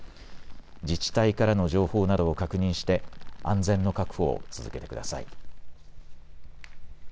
自治体からの情報などを確認して安全の確保を続けてください。